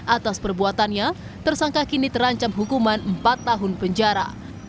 atas perbuatannya tersangka kini terancam hukuman empat tahun penjara